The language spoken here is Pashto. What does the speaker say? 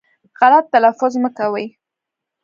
غلط تلفظ مه کوی